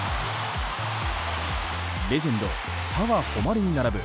レジェンド澤穂希に並ぶ